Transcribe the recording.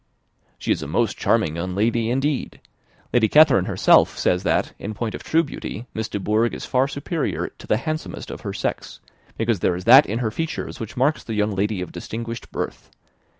"She is a most charming young lady, indeed. Lady Catherine herself says that, in point of true beauty, Miss de Bourgh is far superior to the handsomest of her sex; because there is that in her features which marks the young woman of distinguished birth.